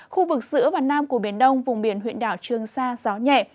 khu vực giữa và nam của biển đông vùng biển huyện đảo trương sa gió nhẹ